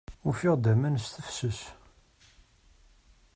Ufiɣ-d aman s tefses.